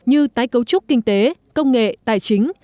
như tái cấu trúc kinh tế công nghệ tài chính